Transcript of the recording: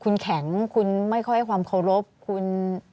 คุณแข็งคุณไม่ค่อยให้ความเคารพคุณ